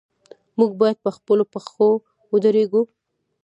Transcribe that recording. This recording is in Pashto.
موږ باید په خپلو پښو ودریږو.